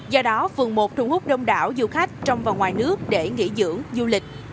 do đó phường một thu hút đông đảo du khách trong và ngoài nước để nghỉ dưỡng du lịch